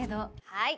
はい。